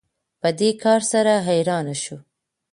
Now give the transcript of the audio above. په دې کار سره حیرانه شو